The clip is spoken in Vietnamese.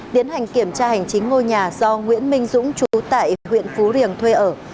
tiến hành kiểm tra hành chính ngôi nhà do nguyễn minh dũng chú tại huyện phú riềng thuê ở